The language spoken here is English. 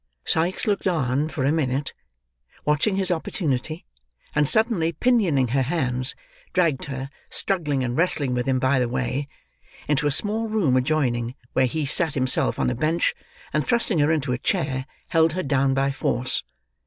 Sikes looked on, for a minute, watching his opportunity, and suddenly pinioning her hands dragged her, struggling and wrestling with him by the way, into a small room adjoining, where he sat himself on a bench, and thrusting her into a chair, held her down by force.